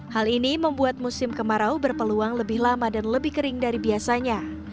hal ini membuat musim kemarau berpeluang lebih lama dan lebih kering dari biasanya